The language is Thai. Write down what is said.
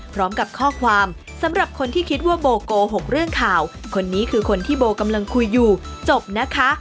พร้อมกับข้อความสำหรับคนที่คิดว่าโบโกหกเรื่องข่าวคนนี้คือคนที่โบกำลังคุยอยู่จบนะคะ